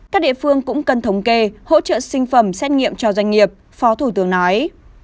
các địa phương cũng cần thống kê hỗ trợ sinh phẩm xét nghiệm cho doanh nghiệp phó thủ tướng nói